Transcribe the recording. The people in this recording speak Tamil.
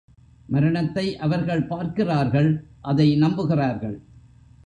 மரணத்தை அவர்கள் பார்க்கிறார்கள் அதை நம்புகிறார்கள்.